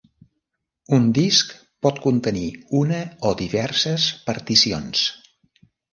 Un disc pot contenir una o diverses particions.